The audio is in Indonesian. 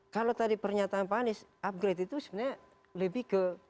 kalau tadi pernyataan pak anies upgrade itu sebenarnya lebih ke